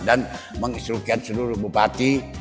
dan mengistrukan seluruh bupati